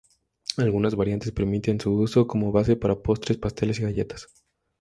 Algunas variantes permiten su uso como base para postres, pasteles y galletas.